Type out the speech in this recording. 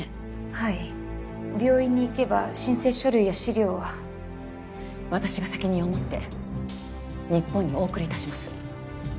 はい病院に行けば申請書類や資料は私が責任を持って日本にお送りいたします